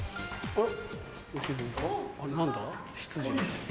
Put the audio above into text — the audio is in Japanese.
あれ？